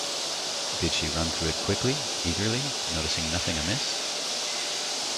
Did she run through it quickly, eagerly, noticing nothing amiss?